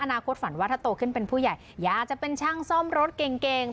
ฝันว่าถ้าโตขึ้นเป็นผู้ใหญ่อยากจะเป็นช่างซ่อมรถเก่งเก่ง